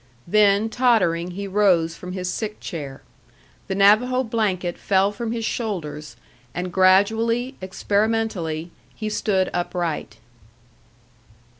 Then, tottering, he rose from his sick chair. The Navajo blanket fell from his shoulders, and gradually, experimentally, he stood upright.